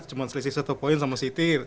cuma selisih satu poin sama siti